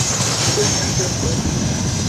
Kpexukpexu.